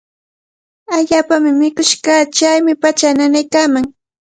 Allaapami mikush kaa. Chaymi pachaa nanaykaaman.